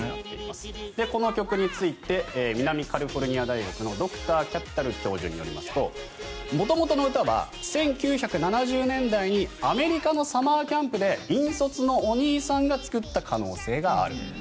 この曲について南カリフォルニア大学のドクター・キャピタル教授によりますと元々の歌は１９７０年代にアメリカのサマーキャンプで引率のお兄さんが作った可能性がある。